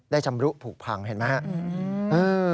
ชำรุผูกพังเห็นไหมครับ